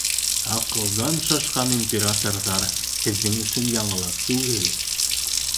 Аҡылдан шашҡан императорҙар һеҙҙең өсөн яңылыҡ түгел.